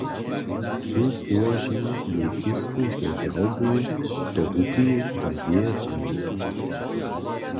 Ty połoži jej tyzku ze žałbu do ruki za jeje rany.